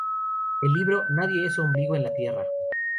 El libro "Nadie es ombligo en la tierra.